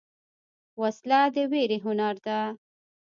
وسله د ویرې هنر ده